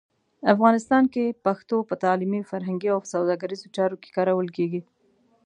افغانستان کې پښتو په تعلیمي، فرهنګي او سوداګریزو چارو کې کارول کېږي.